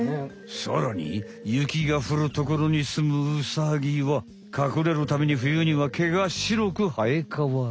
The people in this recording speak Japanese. さらにゆきがふるところにすむウサギはかくれるためにふゆにはけがしろくはえかわる。